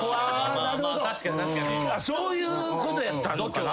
そういうことやったのかな？